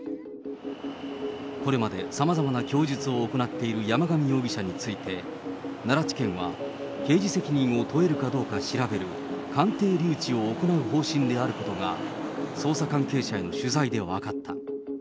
これまでさまざまな供述を行っている山上容疑者について、奈良地検は刑事責任を問えるかどうか調べる、鑑定留置を行う方針であることが、捜査関係者への取材で分かった。